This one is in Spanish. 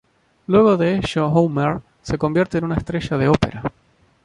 Luego de ello Homer se convierte en una estrella de Ópera.